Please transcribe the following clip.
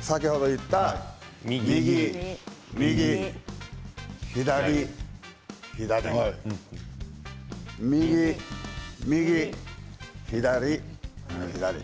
先ほど言った右、右、左、左右、右左、左。